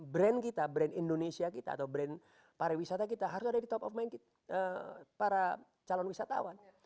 brand kita brand indonesia kita atau brand pariwisata kita harus ada di top of minded para calon wisatawan